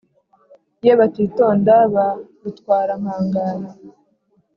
ye batitonda ba rutwara-nkangara